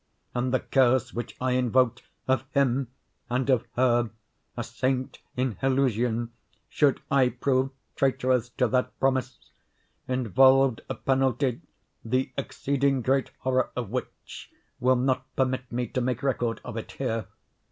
And the curse which I invoked of Him and of her, a saint in Helusion should I prove traitorous to that promise, involved a penalty the exceeding great horror of which will not permit me to make record of it here.